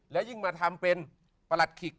และยิ่งมาทำเป็นปรัสขิก